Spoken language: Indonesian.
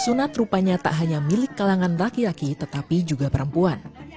sunat rupanya tak hanya milik kalangan laki laki tetapi juga perempuan